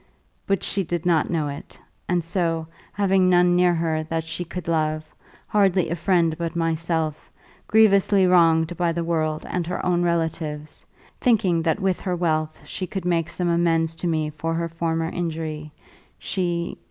But she did not know it; and so, having none near her that she could love, hardly a friend but myself, grievously wronged by the world and her own relatives, thinking that with her wealth she could make some amends to me for her former injury, she